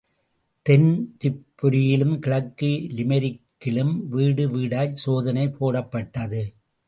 தென் திப்பெரரியிலும், கிழக்கு லிமெரிக்கிலும் வீடு வீடாய்ச் சோதனை போடப்பட்டது.